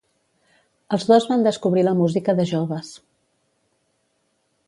Els dos van descobrir la música de joves.